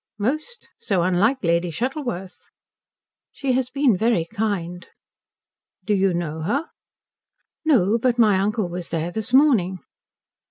"Most. So unlike Lady Shuttleworth." "She has been very kind." "Do you know her?" "No; but my uncle was there this morning."